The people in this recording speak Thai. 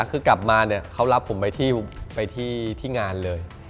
คือกลับมาเนี่ยเขารับผมไปที่งานเลย